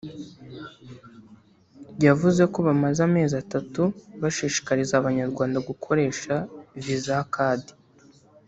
yavuze ko bamaze amezi atatu bashishikariza Abanyarwanda gukoresha Visa Card